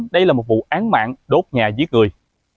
đây là một vụ án mạng đốt nhà giết người